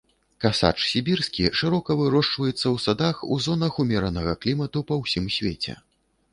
Касач сібірскі шырока вырошчваецца ў садах у зонах умеранага клімату па ўсім свеце.